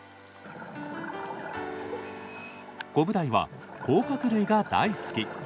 コブダイは甲殻類が大好き。